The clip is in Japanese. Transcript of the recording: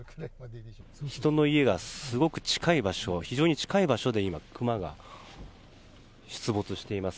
人の家がすごく近い場所非常に近い場所でクマが出没しています。